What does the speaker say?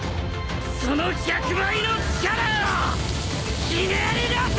その１００倍の力をひねり出せ！